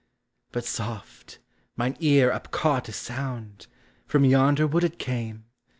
But soft! mine ear upcaught a sound, — from yonder wood it came